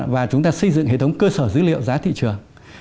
và chúng ta xây dựng hệ thống cơ sở dữ liệu giá thị trường